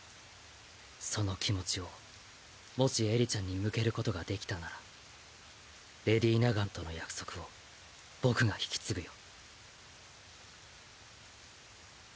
その気持ちをもしエリちゃんに向ける事ができたならレディ・ナガンとの約束を僕が引き継ぐよ。